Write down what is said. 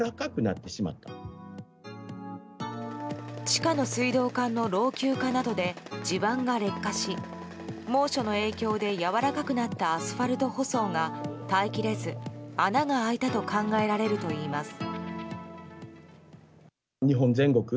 地下の水道管の老朽化などで地盤が劣化し猛暑の影響でやわらかくなったアスファルト舗装が耐え切れず、穴が開いたと考えられるといいます。